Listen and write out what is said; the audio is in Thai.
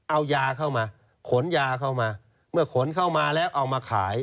เอายาเข้ามาขนยาเข้ามาเมื่อขนเข้ามาแล้วเอามาขาย